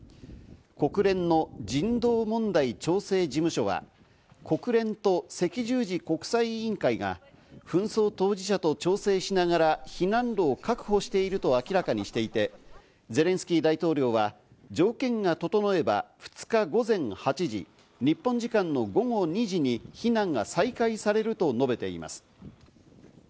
国連の人道問題調整事務所は国連と赤十字国際委員会が紛争当事者と調整しながら避難路を確保していると明らかにしていて、ゼレンスキー大統領は条件が整えば、２日午前８時、日本時間の午後２時に避難が再開されると述べています。